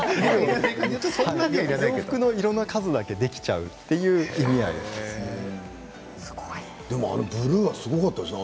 洋服の色の数だけ、できちゃうという意味合いですね。